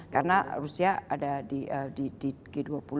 karena rusia ada di g dua puluh